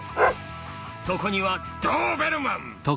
そこにはドーベルマン！